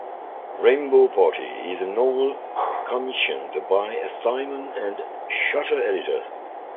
"Rainbow Party" is a novel commissioned by a Simon and Schuster editor.